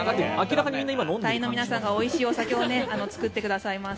隊員の皆さんがおいしいお酒を作ってくださいます。